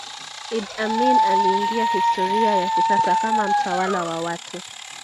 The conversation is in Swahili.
Idi Amin aliingia historia ya kisasa kama mtawala wa watu